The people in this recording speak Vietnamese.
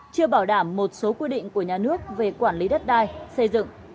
chưa bảo đảm một số quy định của nhà nước về quản lý đất đai xây dựng